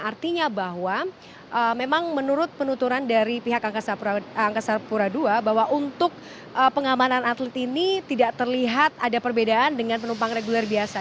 artinya bahwa memang menurut penuturan dari pihak angkasa pura ii bahwa untuk pengamanan atlet ini tidak terlihat ada perbedaan dengan penumpang reguler biasa